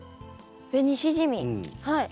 ベニシジミはい。